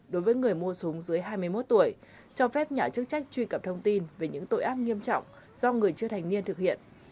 đối với người mua súng dưới hai mươi một tuổi cho phép nhà chức trách truy cập thông tin về những tội ác nghiêm trọng do người chưa thành niên thực hiện